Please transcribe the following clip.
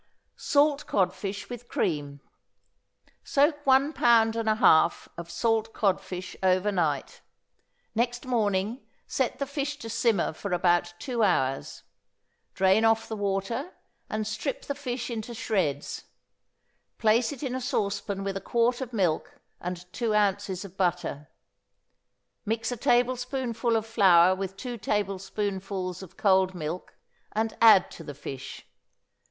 =Salt Codfish with Cream.= Soak one pound and a half of salt codfish over night. Next morning set the fish to simmer for about two hours; drain off the water, and strip the fish into shreds; place it in a saucepan with a quart of milk and two ounces of butter; mix a tablespoonful of flour with two tablespoonfuls of cold milk, and add to the fish.